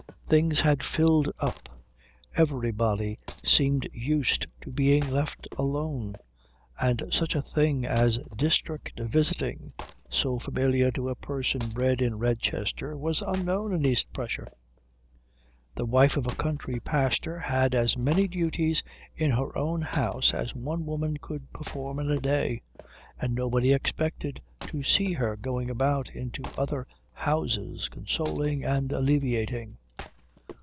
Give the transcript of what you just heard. Things had filled up. Everybody seemed used to being left alone, and such a thing as district visiting, so familiar to a person bred in Redchester, was unknown in East Prussia. The wife of a country pastor had as many duties in her own house as one woman could perform in a day, and nobody expected to see her going about into other houses consoling and alleviating.